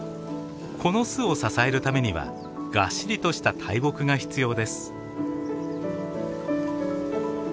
この巣を支えるためにはがっしりとした大木が必要です。